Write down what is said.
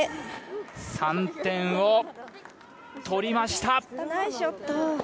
３点を取りました。